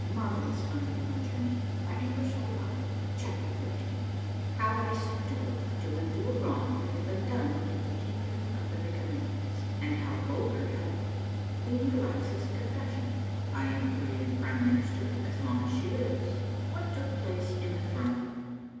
A MARVELLOUS UNDERGROUND JOURNEY 79 CHAPTER XIII HOW I SET TO WORK TO UNDO A WRONG THAT HAD BEEN DONE IN THE KINGDOM OF THE MIKKAMENKIES, AND HOW BULGER HELPED. — QUEEN GALAXA's CONFESSION. — I AM CREATED PRIME MINISTER AS LONG AS SHE LIVES. — WHAT TOOK PLACE IN THE THRONE ROOM.